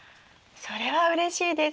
それはうれしいです。